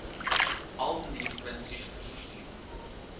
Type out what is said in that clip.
Aldenir Francisco Justino